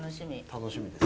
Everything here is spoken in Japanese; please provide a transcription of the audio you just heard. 楽しみです。